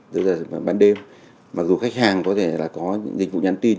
giữa giai đoạn bán đêm mặc dù khách hàng có thể là có những dịch vụ nhắn tin